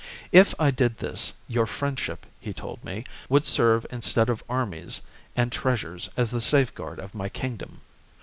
If I did this, your friendship, he told me, would serve instead of armies and treasures as the safeguard of my kingdom.